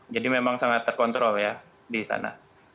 jadi memang sangat terkontrol di sana